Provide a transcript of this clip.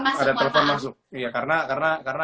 masuk ada telpon masuk karena